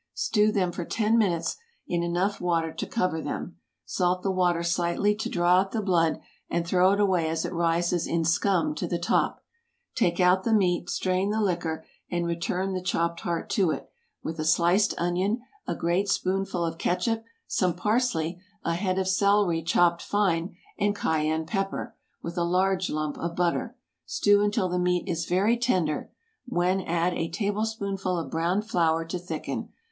Stew them for ten minutes in enough water to cover them. Salt the water slightly to draw out the blood, and throw it away as it rises in scum to the top. Take out the meat, strain the liquor, and return the chopped heart to it, with a sliced onion, a great spoonful of catsup, some parsley, a head of celery chopped fine, and cayenne pepper, with a large lump of butter. Stew until the meat is very tender, when add a tablespoonful of browned flour to thicken.